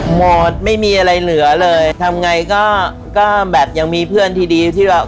หมดไม่มีอะไรเหลือเลยทำไงก็ก็แบบยังมีเพื่อนที่ดีที่แบบ